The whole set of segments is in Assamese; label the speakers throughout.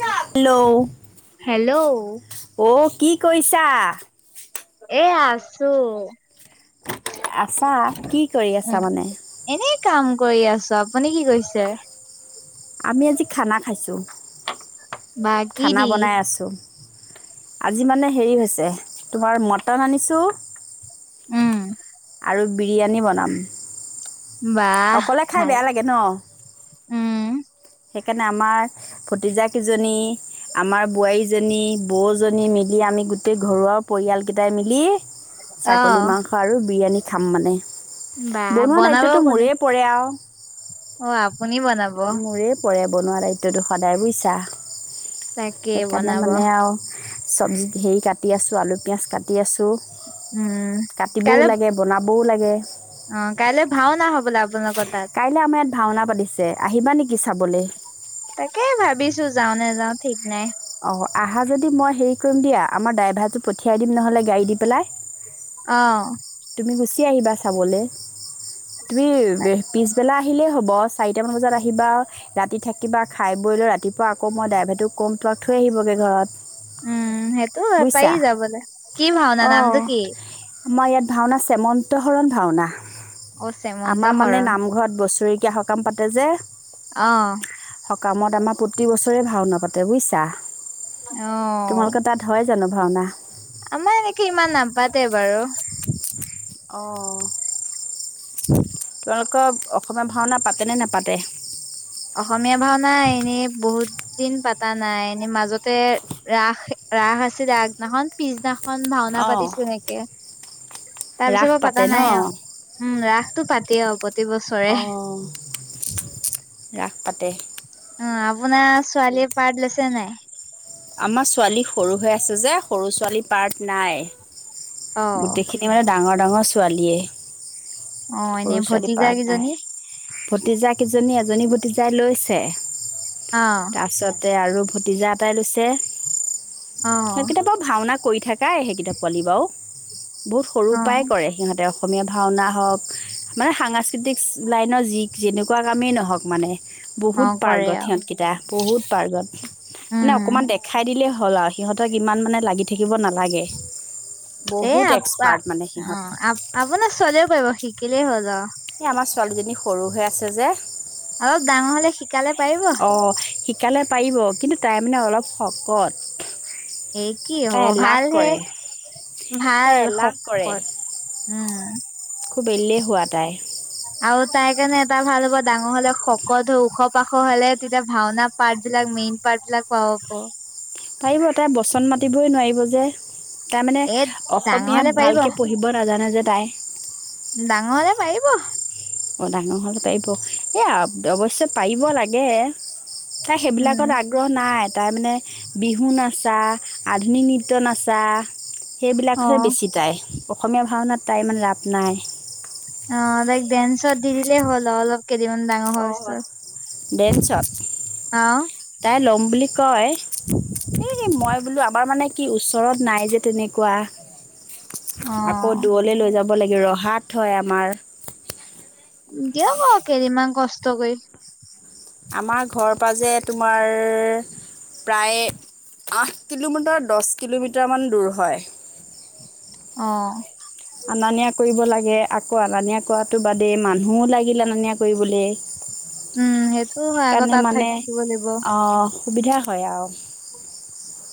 Speaker 1: হেল্ল'
Speaker 2: হেল্ল'
Speaker 1: অ' কি কৈছা?
Speaker 2: এ আছোঁ।
Speaker 1: আছা কি কৰি
Speaker 2: উম
Speaker 1: আছা মানে-
Speaker 2: এনেই কাম কৰি আছো আপুনি কি কৰিছে?
Speaker 1: আমি আজি খানা খাইছোঁ।
Speaker 2: বা কি
Speaker 1: খানা
Speaker 2: দি
Speaker 1: বনাই আছোঁ আজি মানে হেৰি হৈছে- তোমাৰ মটন আনিছোঁ
Speaker 2: উম।
Speaker 1: আৰু বিৰিয়ানী বনাম
Speaker 2: বাহ
Speaker 1: অকলে খাই
Speaker 2: ভাল
Speaker 1: বেয়া লাগে ন?
Speaker 2: উম
Speaker 1: সেইকাৰণে আমাৰ ভতিজাকেইজনী আমাৰ বোৱাৰীজনী বৌজনী মিলি আমি গোটেই ঘৰুৱা পৰিয়ালকেইটাই মিলি
Speaker 2: অ
Speaker 1: ছাগলী মাংস আৰু বিৰিয়ানী খাম মানে
Speaker 2: বা
Speaker 1: বনোৱা
Speaker 2: বনাব
Speaker 1: দায়িত্বতো
Speaker 2: কোনে
Speaker 1: মোৰে পৰে আৰু
Speaker 2: অ শুনি বনাব
Speaker 1: বনোৱাৰ দায়িত্বটো সদায় বুইছা
Speaker 2: তাকে
Speaker 1: সেইকাৰণে
Speaker 2: বনাব
Speaker 1: মানে আৰু চব্জি হেৰি কাটি আছো আলু পিয়ঁয়াজ কাটি আছো
Speaker 2: উম
Speaker 1: কাটিবও
Speaker 2: কাইলৈ
Speaker 1: লাগে বনাব ৰনাবও লাগে।
Speaker 2: অ কাইলে ভাওনা তাত
Speaker 1: কাইলে আমাৰ ইয়াত ভাওনা পাতি ছে আহিবা নেকি চাবলে?
Speaker 2: তাকে ভাবিছো যাও নে যাওঁ ঠিক নাই।
Speaker 1: অঁ আহা যদি মই হেৰি কৰিম দিয়া আমাৰ ড্ৰাইভাৰটো পঠিয়াই দিম নহ'লে গাড়ী দি পেলাই
Speaker 2: অ
Speaker 1: তুমি গুচি আহিবা চাবলৈ তুমি পিছবেলা আহিলেই হ'ব বহ চাৰিটামান বজাত আহিবা ৰাতি থাকিবা খাই বৈ লৈ ৰাতিপুৱা আকৌ মই ড্ৰাইভাৰটোক ক'ম তাক থৈ আহিবগৈ ঘৰত
Speaker 2: উম সেইটো পায়
Speaker 1: বুজিছা
Speaker 2: যা বোলে কি ভাওনা
Speaker 1: অঁ
Speaker 2: নামটো কি
Speaker 1: আমাৰ ইয়াত ভাওনা শ্যোমন্ত হৰণ ভাওনা।
Speaker 2: অ শ্যামন্ত
Speaker 1: আমাৰ মানে
Speaker 2: হৰণ
Speaker 1: নামঘৰত বছৰেকীয়া কাম পাতে যে
Speaker 2: অ'।
Speaker 1: কামত আমাৰ প্ৰতি বছৰেই ভাওনা পাতে বুজিছা
Speaker 2: আহ
Speaker 1: জনভাৱনা
Speaker 2: আমাৰ একে ইমান নাপাতে বাৰু
Speaker 1: অঁ তেওঁলোকৰ অসমীয়া ভাওনা পাতেনে নাপাতে?
Speaker 2: অসমীয়া ভাওনাই এনেই বহুত দিন পাতা নাই, এনেই মাজতে ৰাস ৰাস আছিল আগদিনাখন, পিছদিনা খন ভাওনা
Speaker 1: অঁ
Speaker 2: পাতিছো সেনেকে তাৰ পিছত
Speaker 1: ৰাস
Speaker 2: ব পতা
Speaker 1: পাতে ন
Speaker 2: নাই আৰু উম ৰাসতটো পা অ
Speaker 1: অঁ- ৰাস পাতে
Speaker 2: অ আপোনাৰ ছোৱালীয়ে পাৰ লৈছে নাই
Speaker 1: আমাৰ ছোৱালী সৰু হৈ আছে যে সৰু ছোৱালী পাৰ্ট নাই
Speaker 2: অ
Speaker 1: গোটেইখিনি মানে ডাঙৰ ৰঙা ছোৱালীয়ে
Speaker 2: অ
Speaker 1: সৰু
Speaker 2: এনেই
Speaker 1: ছোৱালী
Speaker 2: ভতিজা
Speaker 1: পাৰ্ট নাই।
Speaker 2: কেইজনী
Speaker 1: ভতিজা কিজানি এজনী ভতিজাই লৈছে
Speaker 2: অ
Speaker 1: তাৰপাছতে আৰু ভতিজা এটাই লৈছে।
Speaker 2: অ
Speaker 1: সেই কেতিয়াবা ভওনা। কৰি থাকাই সেই কিতাপ পোৱালি বাৰু বহুত সৰুৰ
Speaker 2: অ
Speaker 1: পৰাায় কৰে সিহঁতে। অসমীয়া ভাওনা হওক মানে সাংস্কৃতিক লাইনৰ যি যেনেকুৱা কামেই নহওক মানে।
Speaker 2: অ
Speaker 1: বহুত
Speaker 2: কৰে
Speaker 1: পাৰ্গত
Speaker 2: আৰু
Speaker 1: সিহঁতকেইটা বহুত পাৰ্গত মানে
Speaker 2: উম
Speaker 1: অকমান দেখাই দিলে হ'ল আহ সিহঁতক ইমান মানে লাগি থাকিব নালাগে।
Speaker 2: এ
Speaker 1: বহুত
Speaker 2: আ অ
Speaker 1: এক্সপাৰ্ট মানে সিহঁত
Speaker 2: আপোনাৰ ছোৱালীয়েও পাৰিব শিক কেলে হ যা
Speaker 1: এই আমাৰ ছোৱালীজনী সৰু হৈ আছে যে,
Speaker 2: অ ডাঙৰ হলে শিক কালে পাৰিব।
Speaker 1: সিকালে পাৰিব কিন্তু তাই মানে অলপ শকত।
Speaker 2: এই কি
Speaker 1: তাই
Speaker 2: হ'ব
Speaker 1: এলাহ
Speaker 2: ভাল হে
Speaker 1: কৰে
Speaker 2: ভাল
Speaker 1: তাই এলাহ কৰে
Speaker 2: খকৰ। উম।
Speaker 1: খুব এলেহোৱা তাই।
Speaker 2: আৰু তাই কাৰণে এটা ভাল হ'ব ডাঙৰ হলে শকত হৈ ওখ পাখ হলে তেতিয়া ভাওনা পাৰ্ট বিলাক মেইন পাৰ্ট বিলাক পাব হাব মানে।
Speaker 1: পাৰিব তাই বচন মাতিবই নোৱাৰিব যে। তাৰ মানে
Speaker 2: এ ডাঙৰ
Speaker 1: অসমীয়া ভালকে পঢ়িব নাজানে যে তাই।
Speaker 2: ডাঙৰলে পাৰিব।
Speaker 1: অ ডাঙৰ হ'লে পাৰিব এ অৱশ্যে পাৰিব লাগে। তাই
Speaker 2: উম
Speaker 1: সেইবিলাকত আগ্ৰহ নাই। তাৰ মানে বিহু নাচা আধুনিক নৃত্য নাচা
Speaker 2: অ
Speaker 1: সেইবিলাকহে বেছি তাই। অসমীয়া ভাওনাত তাৰ ইমান ৰাপ নাই।
Speaker 2: পিছত দি দিলেই হ'ল অলপ। কেইদিনমান ডাঙৰ হোৱাৰ পিছত।
Speaker 1: দেনঞ্চত
Speaker 2: আহ।
Speaker 1: ল'ম বুলি কয় এই মই বোলো আমাৰ মানে কি ওচৰত নাই যে তেনেকুৱা।
Speaker 2: অ
Speaker 1: আকৌ দূৰলে লৈ যাব ৰহাত হয় আমাৰ।
Speaker 2: দিয়গ অ কেইদিনমান কষ্ট কৰি।
Speaker 1: আমাৰ ঘৰৰ পাজে তোমাৰ প্ৰায় আঠ কিলোমিটাৰ দছ কিলোমিটাৰমান দূৰ হয়
Speaker 2: অ
Speaker 1: অনা নিয়া কৰিব লাগে আকৌ অনা নিয়া কৰাটো বাদেই মানুহও লাগিল অনা নিয়া কৰিবলে
Speaker 2: উম সেইটো হয় আকৌ তাত থাকিব লাগিব
Speaker 1: অঁ সুবিধা হয় আৰু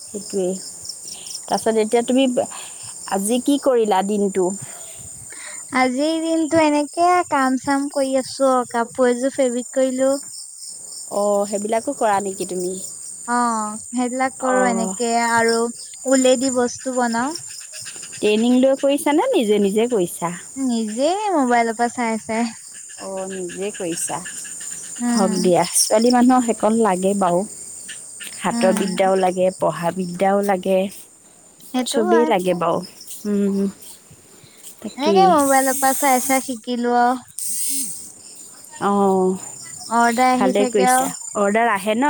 Speaker 1: সেইটোৱেই তাৰপিছত এতিয়া তুমি আজি কি কৰিলা দিনটো?
Speaker 2: আজিৰ দিনতো এনেকে কাম চাম কৰি আছো অ কাপোৰ এযোৰ ফেব্ৰিক কৰিলো।
Speaker 1: অ সেইবিলাকো কৰা নেকি তুমি?
Speaker 2: অ সেইবিলাক কৰো
Speaker 1: অঁ
Speaker 2: এনেকে আৰু উল দি বছ- তো বনাও
Speaker 1: ৰিং লৈ কৰিছা নে নিজে নিজে কৰিছা?
Speaker 2: নিজে এই মোবাইলৰ পৰা চাই চাই
Speaker 1: অ নিজে কৰিছা হক
Speaker 2: উম
Speaker 1: দিয়া ছোৱালী মানুহৰ সেইকন লাগে বাৰু। সাতৰ
Speaker 2: উম
Speaker 1: বিদ্যাও লাগে পঢ়া- বিদ্যাও লাগে।
Speaker 2: সেইটো
Speaker 1: ছবি
Speaker 2: হয়
Speaker 1: লাগে বাও উম তাকেই
Speaker 2: এনেকে মোবাইলৰ পৰা চাই চাই শিকিলো আৰু
Speaker 1: অ
Speaker 2: অৰ্ডাৰ আহি থাকে অ।
Speaker 1: হেন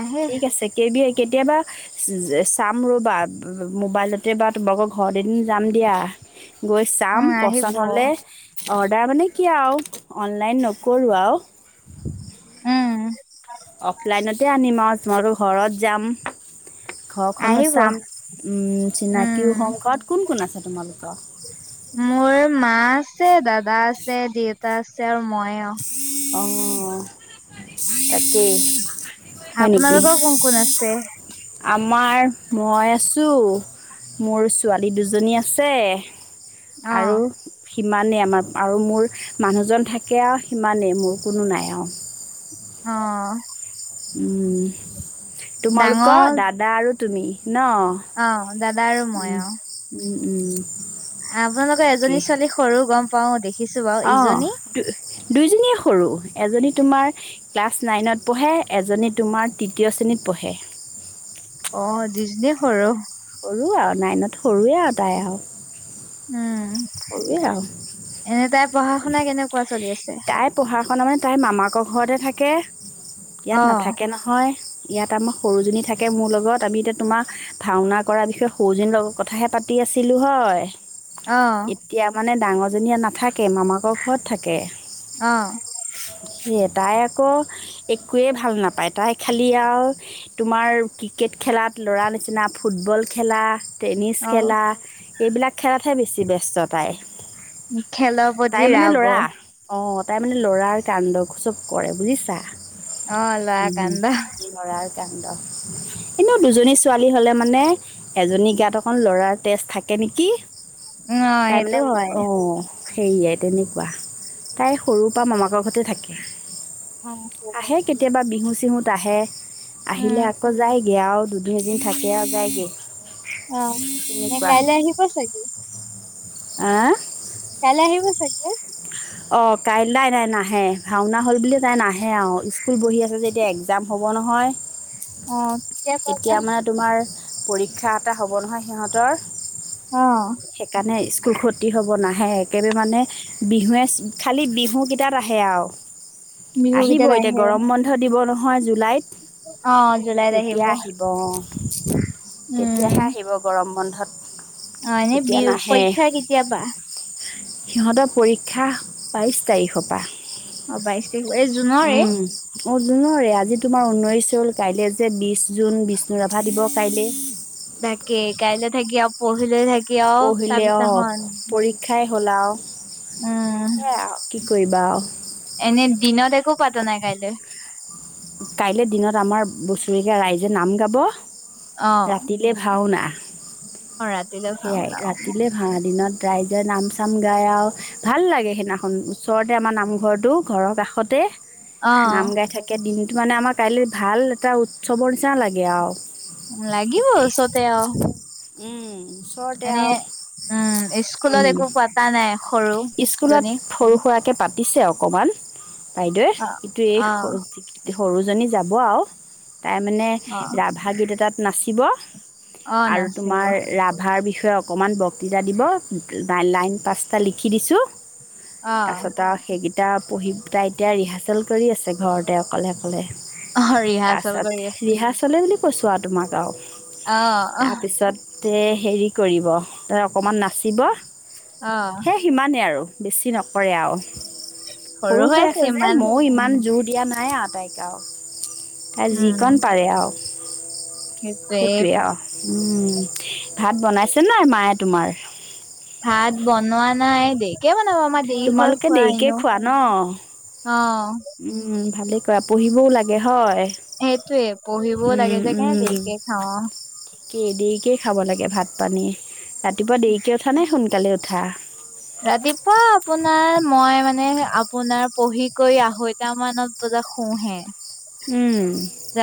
Speaker 2: আহে
Speaker 1: ঠিক আছে। কেই কেতিয়াবা চাম ৰ'বা মোবাইলতে বা তোমালোকৰ ঘৰত এদিন যাম দিয়া। গৈ চাম
Speaker 2: উম আহিব
Speaker 1: পচন্দ হ'লে অৰ্ডাৰ মানে কি আও অনলাইন নকৰোঁ আও
Speaker 2: উম
Speaker 1: অফলাইনতে আনিম আৰু তোমালোকৰ ঘৰত যাম। ঘৰখনো
Speaker 2: আহিব
Speaker 1: চাম উম
Speaker 2: উম
Speaker 1: চিনাকিও হম ঘৰত কোন কোন আছে তোমালোক
Speaker 2: মোৰ মা আছে, দাদা আছে, দেউতা আছে আৰু মই অ
Speaker 1: অ তাকে।
Speaker 2: আপোনালোকৰ কোন কোন আছে?
Speaker 1: আমাৰ মই আছোঁ মোৰ ছোৱালী দুজনী আছে
Speaker 2: অ
Speaker 1: আৰু সিমানেই আমাৰ আৰু মোৰ মানুহজন থাকে আৰু সিমানেই মোৰ কোনো নাই আৰু।
Speaker 2: অ।
Speaker 1: উম। তোমালোকৰ
Speaker 2: ডাঙৰ
Speaker 1: দাদা আৰু তুমি ন
Speaker 2: অ দাদা আৰু
Speaker 1: উম,
Speaker 2: মইয়া
Speaker 1: উম উম
Speaker 2: আপোনালোকৰ এজনী ছোৱালী সৰু গম পাও দেখি
Speaker 1: অ। দুইোজনীয়ে সৰু এজনী তোমাৰ ক্লাছ নাইনত পঢ়ে এজনী তোমাৰ তৃতীয় শ্ৰেণীত পঢ়ে
Speaker 2: অ দিজনে সৰু
Speaker 1: সৰু আৰু নাইনত সৰুৱে আৰু তাই আৰু।
Speaker 2: উম
Speaker 1: সৰুৱে আৰু
Speaker 2: এনে তাই পঢ়া শুনা কেনেকুৱা চলি আছে?
Speaker 1: তাই পঢ়া তণ মানে তাইৰ মামাকৰ ঘৰতে থাকে
Speaker 2: অ
Speaker 1: ইয়াত নাথাকে নহয় ইয়াত আমাৰ সৰুজনী থাকে মোৰ লগত আমি এতিয়া তোমাৰ ভাওনা কৰাৰ বিষয়ে সৰুজনীৰ লগত কথাহে পাতি আছিলোঁ হয়।
Speaker 2: আহ।
Speaker 1: এতিয়া মানে ডাঙৰজনীয়ে নাথাকে মামাকৰ ঘৰত থাকে।
Speaker 2: আহ।
Speaker 1: তাই আকৌ একোৱেই ভাল নাপায় তাই খালী আৰু তোমাৰ ক্ৰিকেট খেলাত ল'ৰা নিচিনা ফুটবল খেলা টেনিছ
Speaker 2: অ
Speaker 1: খেলা এইবিলাক আ খৰাতহে বেছি ব্যস্ত তাই,
Speaker 2: খেলৰ প্ৰতি
Speaker 1: তাই মানে
Speaker 2: ৰাব
Speaker 1: লৰা। অঁ তাই মানে ল'ৰাৰ কাণ্ডকোসৱ কৰে বুজিছা।
Speaker 2: অল কন্দ
Speaker 1: ান কিন্তু দুজনী ছোৱালী হ'লে মানে এজনী গাত অকণ ল'ৰাৰ তেজ থাকে নেকি
Speaker 2: অ সেইটো হয়।
Speaker 1: হেইয়াই তেনেকুৱা। তাই সৰু পৰা মামাকৰ ঘতে থাকে।
Speaker 2: অ
Speaker 1: আহে কেতিয়াবা বিহু চিহুত আহে। আহিলে
Speaker 2: উম
Speaker 1: আকৌ যায়গে আৰু। দুদিন এদিন থাকে আৰু যায়গৈ
Speaker 2: অ ন কাইলৈ আহি পোৱা চাগি
Speaker 1: আহ
Speaker 2: কাইলৈ আহিব চাগে।
Speaker 1: অঁ কাই নাই নাই নাহে ভাওনা হ'ল বুলি তাই নাহে আৰু স্কুল বহি আছো যে এতিয়া একজাম হ'ব নহয়
Speaker 2: অ কেতিয়া পাবা
Speaker 1: এতিয়া মানে তোমাৰ পৰীক্ষা এটা হ'ব নহয় সিহঁতৰ
Speaker 2: অ
Speaker 1: সেইকাৰণে স্কুলখনত হ'ব নাহে একেবাৰে মানে বিহুৱে খালী বিহুকেইটাত আহে আৰু
Speaker 2: বিহু
Speaker 1: আহিব
Speaker 2: কেইটাত
Speaker 1: এতিয়া
Speaker 2: আহে
Speaker 1: গৰম বন্ধ দিব নহয়। হয় জুলাইত
Speaker 2: অ জুলাইত আহিব।
Speaker 1: হয় তেতিয়াহে
Speaker 2: উম
Speaker 1: আহিব গৰম বন্ধত
Speaker 2: অ এনে বি
Speaker 1: এতিয়া নাহে
Speaker 2: পৰীক্ষা কেতিয়াবা?
Speaker 1: সিহঁতৰ পৰীক্ষা বাইশ তাৰিখৰ পৰা
Speaker 2: অ' বাই এ জুনৰ
Speaker 1: অ জ নৰে আজি তোমাৰ ঊনৈছ হ'ল কাইলৈ যে বিশ জুন বিষ্ণু ৰাভা দৱস কাইলৈ
Speaker 2: থাকে কাইলৈ থাকি আৰু পঢ়িলৈ থাকে।
Speaker 1: পঢ়িলে অ পৰীক্ষাই হোলাও
Speaker 2: উম
Speaker 1: হে কি শবা
Speaker 2: এনে দিনত একো পাত নাই কাইলৈ
Speaker 1: কাইলৈ দিনত আমাৰ বছৰেকীয়া ৰাইজে নাম গাব
Speaker 2: অ
Speaker 1: ৰাতিলে ভাওনা
Speaker 2: ৰাতিলৈ
Speaker 1: [unintelligible]
Speaker 2: খাওঁ
Speaker 1: সেয়াই
Speaker 2: ন
Speaker 1: ৰাতিলে ভা় দিনত ৰাইজে নাম চাম গাই আৰু ভাল লাগে সেইদিনাখন ওচৰতে আমাৰ নামঘৰটো ঘৰৰ কাষতে।
Speaker 2: অ
Speaker 1: নাম গাই থাকে কিন্তু মানে আমাৰ কাইলৈ ভাল এটা উৎসৱৰ নিচিনা লাগে আৰু
Speaker 2: লাগিব
Speaker 1: সেইটোৱে
Speaker 2: ওচৰতে আও।
Speaker 1: উম ওচৰতে‌ আও,
Speaker 2: উম স্কুলত
Speaker 1: উম,
Speaker 2: একো পতা নাই সৰু
Speaker 1: স্কুলত
Speaker 2: জনী
Speaker 1: সৰু-সুৰাকে পাতে দিছে অকণমান। বাইদেউে
Speaker 2: অ
Speaker 1: এইটো
Speaker 2: অ
Speaker 1: এই সৰু জনী যাব আও তাই মানে
Speaker 2: অ
Speaker 1: ৰাভা গীত এটাত নাচিব।
Speaker 2: অ
Speaker 1: আৰু
Speaker 2: নাচিব
Speaker 1: তোমাৰ ৰাভাৰ বিষয়ে অকণমান বক্তৃতা দিব লাইন পাচটা লিখি দিছোঁ।
Speaker 2: অ
Speaker 1: তাৰপাছত আৰু সেইকেইটা পঢ়ি তাই এতিয়া ৰিহাৰ্চেল কৰি আছে ঘৰত। তেওঁ অক'লে অক'লে
Speaker 2: অ
Speaker 1: তাৰ
Speaker 2: ৰিহাৰ্চেল
Speaker 1: পিছত
Speaker 2: কৰি আছে
Speaker 1: ৰিহাৰ্চলে বুলি কৈছো আৰু তোমাক আৰু।
Speaker 2: অ অহ
Speaker 1: তে হেৰি কৰিব অকণমান নাচিব।
Speaker 2: অ
Speaker 1: সে সিমানেই আৰু। বেছি নকৰে আৰু সৰু হৈ আছে যে ময়ো ইমান জোৰ দিয়া নাই। আটাইকে আৰু। তাই
Speaker 2: উম
Speaker 1: যিকণ পাৰে আৰু
Speaker 2: সেইটোৱে
Speaker 1: উম। ভাত বনাইছে নাই মায়ে? তোমাৰ-
Speaker 2: ভাত বনোৱা নাই দেয়ি কে ভাত
Speaker 1: তোমালোকে দেৰিকে খোৱা ন
Speaker 2: অ
Speaker 1: উম ভালে কৰা পঢ়িবও লাগে হয়।
Speaker 2: সেইটোৱে পঢ়িবও লাগে যে সেই দেৰিকে খাওঁ।
Speaker 1: কেই দেৰিকেই খাব লাগে ভাত পানী। ৰাতিপুৱা দেৰিকৈ উঠা নে সোনকালে উঠা?
Speaker 2: ৰাতিপুৱা আপোনাৰ মই মানে আপোনাৰ পঢ়ি কৰি আঢ়ৈটা মানত বজাত শোওঁহে।
Speaker 1: উম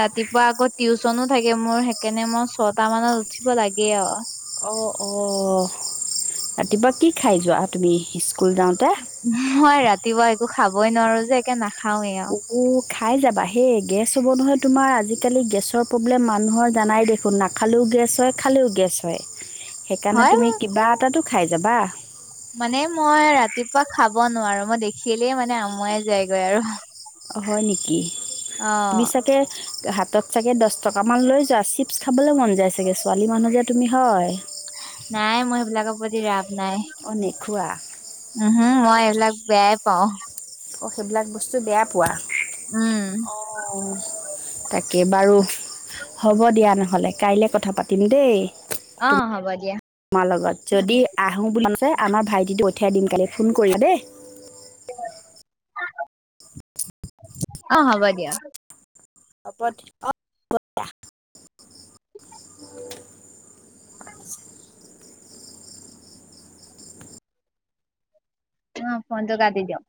Speaker 2: ৰাতিপুৱা আকৌ টিউচ চনো থাকে মোৰ সেইকাৰণে মই ছটা মানত উঠিব লাগে আৰু
Speaker 1: অঁ অঁ ৰাতিপুৱা কি খাই যোৱা তুমি সিচ-
Speaker 2: মই ৰাতিপুৱা একো খাবই নোৱাৰো যে একে না
Speaker 1: উম, খাই যাবা হেই গেছ হ'ব নহয় তোমাৰ আজি আজিকালি গেছৰ প্ৰব্লেম মানুহৰ জানাই দেখোন নাখালেও গেছ হয় খালেও গেছ হয়। সেইকাৰণে
Speaker 2: হয়
Speaker 1: তুমি কিবা এটাতো খাই- যাবা
Speaker 2: মানে মই ৰাতিপুৱা খাব নোৱাৰো মই দেখিলেই মানে আমুয়াই যায়গৈ আৰু।
Speaker 1: অহ ', হয় নেকি।
Speaker 2: অ
Speaker 1: তুমি ছাগে হাতত চাগে দশ টকামান লৈ যোৱা চিপছ খাবলৈ মন যায় চাগে ছোৱালী মানুহ যে তুমি হয়।
Speaker 2: নাই মই সেইবিলাকৰ প্ৰতি ৰাপ নাই
Speaker 1: অ', নোখোৱা
Speaker 2: উম হুম
Speaker 1: হয়
Speaker 2: মই
Speaker 1: নেকি
Speaker 2: এইবিলাক বেয়াই পাওঁ।
Speaker 1: অ সেইবিলাক বস্তু বেয়া পোৱা
Speaker 2: উম
Speaker 1: অ'। তাকে বাৰু হ'ব দিয়া নহ'লে কাইলৈ কথা পাতিম দেই।
Speaker 2: অ', হ'ব দিয়া।
Speaker 1: মাৰ লগত যদি আহো বোলে মন আছে আমাৰ ভাইটিটোক পঠিয়াই দিম কাইলে। ফোন কৰি দেই।
Speaker 2: অ', হ'ব দিয়ক।
Speaker 1: শপত [unintelligible]
Speaker 2: অ ফোনটো কাটি দিয়ক।